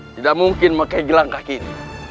tidak mungkin memakai gelangkah ini